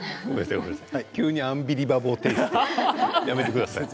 急に「アンビリバボー」テーストやめてください。